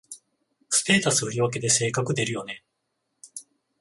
ステータス振り分けで性格出るよね